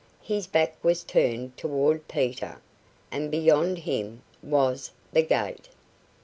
His back was turned toward Peter, and beyond him was the gate!